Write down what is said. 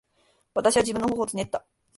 私は自分の頬をつねった。